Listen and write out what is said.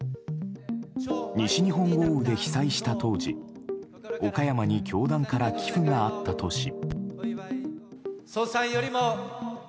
西日本豪雨で被災した当時岡山に教団から寄付があったとし。